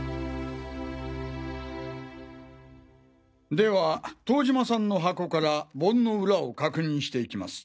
では遠島さんの箱から盆のウラを確認していきます。